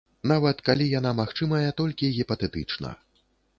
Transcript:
Нават калі яна магчымая толькі гіпатэтычна.